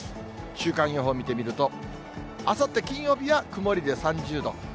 週間予報見てみると、あさって金曜日は曇りで３０度。